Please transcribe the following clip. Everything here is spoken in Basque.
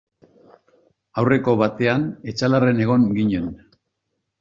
Aurreko batean Etxalarren egon ginen.